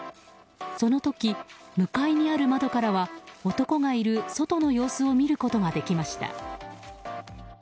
その時、向かいにある窓からは男がいる外の様子を見ることができました。